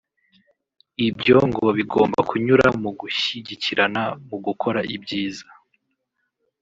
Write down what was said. Ibyo ngo bigomba kunyura mu gushyigikirana mu gukora ibyiza